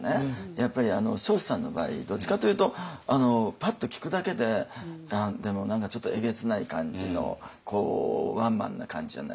やっぱり彰子さんの場合どっちかというとパッと聞くだけで何かちょっとえげつない感じのこうワンマンな感じじゃないですか。